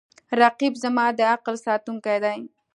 رقیب زما د عقل ساتونکی دی